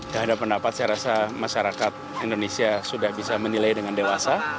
terhadap pendapat saya rasa masyarakat indonesia sudah bisa menilai dengan dewasa